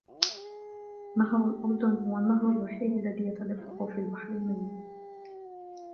نهر الأردن هو النهر الوحيد الذي يتدفق في البحر الميت.